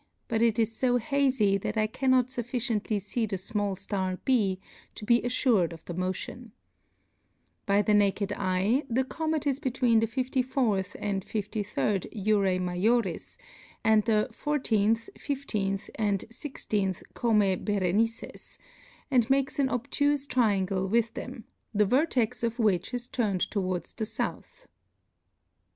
but it is fo hazy that I cannot fufKciently fee the fmall flar b to be alTured of the motion. By the naked eye the comet is between the 54th and 53d Urfas majoris, and the 14th, 15th, and i6th Comae Berenices^ and makes an obtufe triangle with them, the vertex of which is turned towards the fouth.